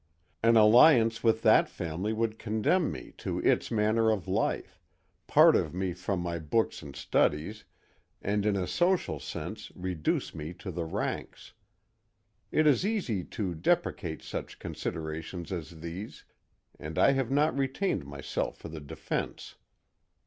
An alliance with that family would condemn me to its manner of life, part me from my books and studies, and in a social sense reduce me to the ranks. It is easy to deprecate such considerations as these and I have not retained myself for the defense.